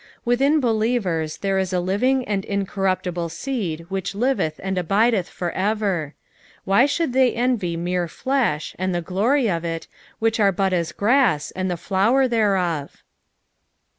Within believen) there ia a livlDg and incorruptible seed wbicb liveCh and abideth for ever ; why should ttiej enrj mere fiesh, and the glory of it, which are but as grass, aod the flower thereof